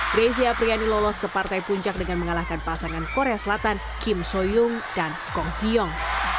greysia apriyani lolos ke partai puncak dengan mengalahkan pasangan korea selatan kim soeung dan kong hyong